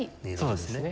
そうですね。